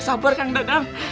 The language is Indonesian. sabar kang dadang